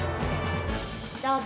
どうぞ。